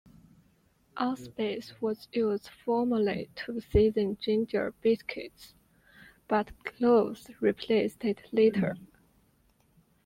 Allspice was used formerly to season ginger biscuits, but cloves replaced it later.